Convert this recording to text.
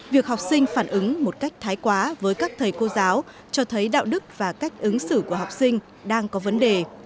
việc học sinh phản ứng một cách thái quá với các thầy cô giáo cho thấy đạo đức và cách ứng xử của học sinh đang có vấn đề